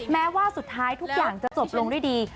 แม้ว่าสุดท้ายทุกอย่างจะจบลงด้วยดี